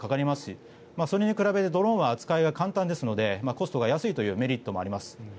それに比べてドローンは扱いが簡単ですのでコストが安いというメリットもあります。